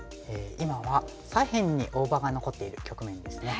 今は左辺に大場が残っている局面ですね。